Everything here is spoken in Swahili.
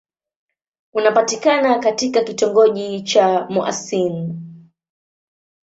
Unapatikana katika kitongoji cha Mouassine.